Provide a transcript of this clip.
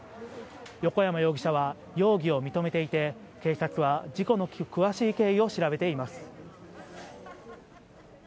横山容疑者は容疑を認めていて、警察は事故の詳しい経緯を調べています。